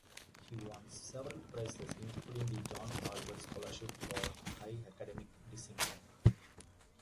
He won several prizes, including the John Harvard scholarship for high academic distinction.